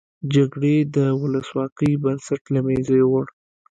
جګړې د ولسواکۍ بنسټ له مینځه یوړ.